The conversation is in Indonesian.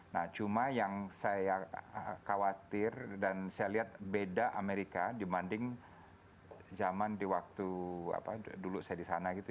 nah cuma yang saya khawatir dan saya lihat beda amerika dibanding zaman di waktu dulu saya di sana gitu